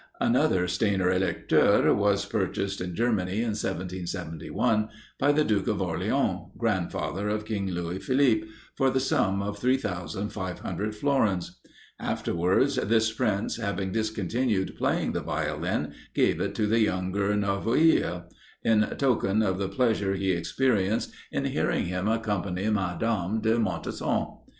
Another Stainer électeur was purchased in Germany in 1771 by the Duke of Orleans, grandfather of King Louis Philippe, for the sum of 3,500 florins. Afterwards, this prince, having discontinued playing the Violin, gave it to the younger Novoigille, in token of the pleasure he experienced in hearing him accompany Madame de Montesson.